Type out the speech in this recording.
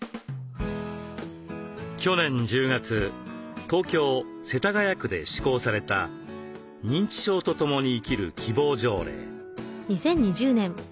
去年１０月東京・世田谷区で施行された「認知症とともに生きる希望条例」。